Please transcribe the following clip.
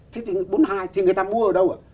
thế thì bốn mươi hai thì người ta mua ở đâu ạ